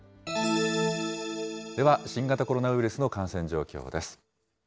では、新型コロナウイルスの感染状況です。